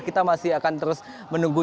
kita masih akan terus menunggu